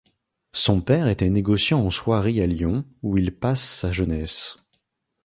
Son père était négociant en soieries à Lyon où il passe sa jeunesse.